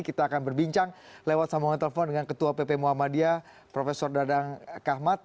kita akan berbincang lewat sambungan telepon dengan ketua pp muhammadiyah prof dadang kahmat